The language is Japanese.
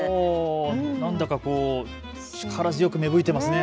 何だか力強く芽吹いていますね。